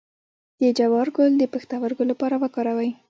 د جوار ګل د پښتورګو لپاره وکاروئ